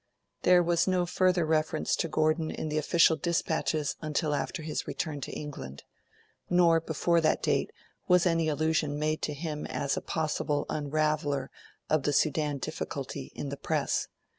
There was no further reference to Gordon in the official dispatches until after his return to England. Nor, before that date, was any allusion made to him as a possible unraveller of the Sudan difficulty, in the Press.